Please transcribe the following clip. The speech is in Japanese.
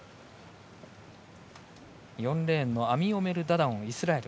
４レーンのアミオメル・ダダオンはイスラエル。